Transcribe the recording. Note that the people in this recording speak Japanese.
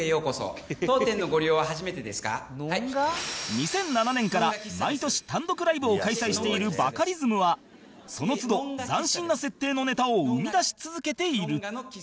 ２００７年から毎年単独ライブを開催しているバカリズムはその都度斬新な設定のネタを生み出し続けている